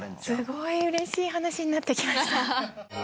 すごいうれしい話になってきました。